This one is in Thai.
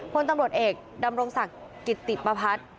พลตำรวจเอกดำรงศักดิ์กิติประพัฒน์